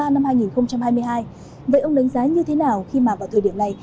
năm hai nghìn hai mươi hai vậy ông đánh giá như thế nào khi mà vào thời điểm này